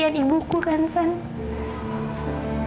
dan lagi pula kamu juga tahu